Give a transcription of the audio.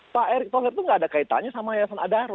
pak erick thohir itu nggak ada kaitannya sama yayasan adaro